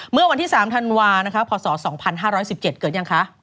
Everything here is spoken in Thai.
เมื่อวันที่๓ธันวานะคะพศ๒๕๑๗เกิดยังคะ